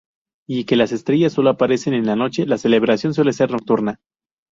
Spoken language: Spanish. Ya que las estrellas sólo aparecen de noche, la celebración suele ser nocturna.